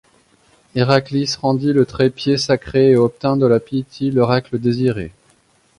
Héraclès rendit le trépied sacré et obtint de la Pythie l'oracle désiré.